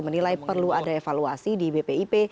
menilai perlu ada evaluasi di bpip